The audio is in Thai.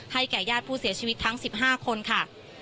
แก่ญาติผู้เสียชีวิตทั้ง๑๕คนค่ะ